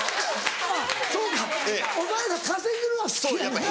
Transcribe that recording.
あっそうかお前ら稼ぐのは好きやねんな。